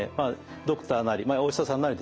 ドクターなりお医者さんなりですね